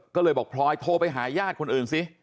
ก็เลยบอกพลอยโทรไปหาญาติคนอื่นสิ